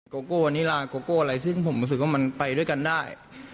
โกโก้วันนี้ลาโกโก้อะไรซึ่งผมรู้สึกว่ามันไปด้วยกันได้